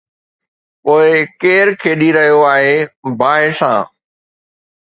پوءِ ڪير کيڏي رهيو آهي باهه سان؟